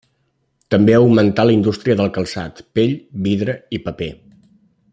També augmentà la indústria del calçat, pell, vidre i paper.